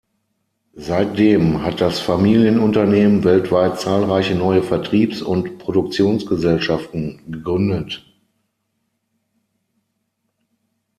Seitdem hat das Familienunternehmen weltweit zahlreiche neue Vertriebs- und Produktionsgesellschaften gegründet.